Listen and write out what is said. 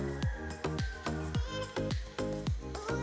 pembelajaran dari sepeda di taro